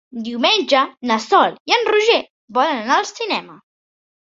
Diumenge na Sol i en Roger volen anar al cinema.